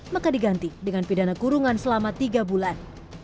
maka diganti dengan pidana kurungan selama tiga bulan